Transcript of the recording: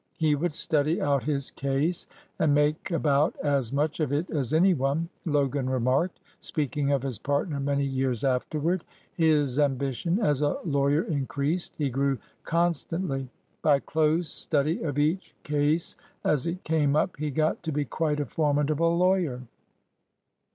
"He would study out his case and make about as much of it as any one," Logan remarked, speaking of his partner many years afterward. "His ambition as a lawyer increased; he grew constantly. By close study of each case as it came up he got to be quite a formidable lawyer."